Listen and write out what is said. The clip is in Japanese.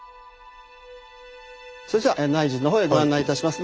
それじゃ内陣のほうへご案内いたします。